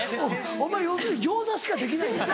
お前要するに餃子しかできないんやな。